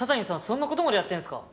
そんな事までやってんですか？